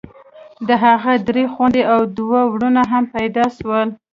د هغه درې خويندې او دوه ورونه هم پيدا سول.